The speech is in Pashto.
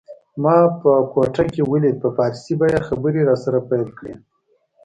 ما به په کوټه کي ولید په پارسي به یې خبري راسره پیل کړې